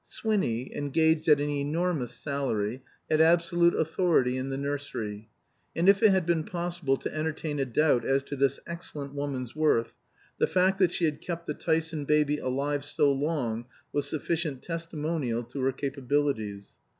Swinny, engaged at an enormous salary, had absolute authority in the nursery. And if it had been possible to entertain a doubt as to this excellent woman's worth, the fact that she had kept the Tyson baby alive so long was sufficient testimonial to her capabilities.